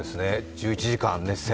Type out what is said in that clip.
１１時間、熱戦。